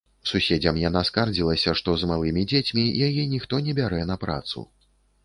Суседзям яна скардзілася, што з малымі дзецьмі яе ніхто не бярэ на працу.